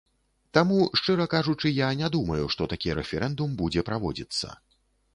Таму, шчыра кажучы, я не думаю, што такі рэферэндум будзе праводзіцца.